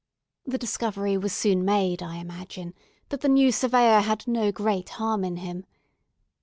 The discovery was soon made, I imagine, that the new Surveyor had no great harm in him.